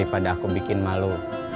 pada aku bikin malu